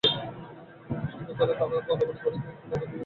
সন্ধ্যাকালে তারা বলাবলি করে যে, শুনে রেখ, নির্ধারিত সময়ের দুইদিন কেটে গেছে।